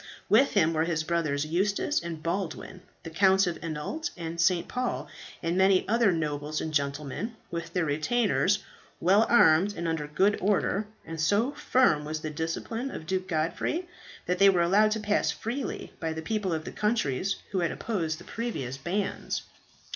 With him were his brothers Eustace and Baldwin, the Counts of Anault and St. Paul, and many other nobles and gentlemen, with their retainers, well armed and under good order; and so firm was the discipline of Duke Godfrey that they were allowed to pass freely, by the people of the countries who had opposed the previous bands.